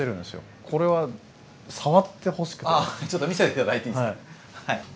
あちょっと見せていただいていいですか？